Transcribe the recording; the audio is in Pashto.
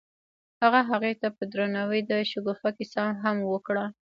هغه هغې ته په درناوي د شګوفه کیسه هم وکړه.